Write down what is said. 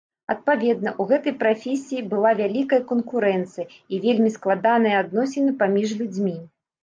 Адпаведна, у гэтай прафесіі была вялікая канкурэнцыя і вельмі складаныя адносіны паміж людзьмі.